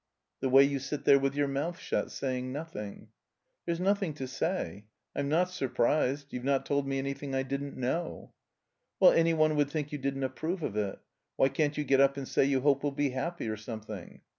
"The way you sit there with your mouth shut, saying nothing." "There's nothing to say. I'm not surprised. You've not told me anjrthing I didn't know." "Well, any one would think you didn't approve of it. Why can't you get up and say you hope we'll be happy, or something?"